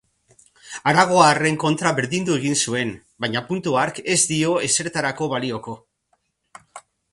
Aragoarren kontra berdindu egin zuen, baina puntu hark ez dio ezertarako balioko.